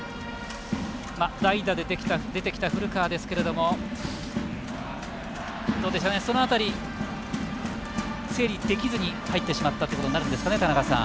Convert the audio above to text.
代打で出てきた古川ですがその辺り、整理できずに入ってしまったということになるんですかね。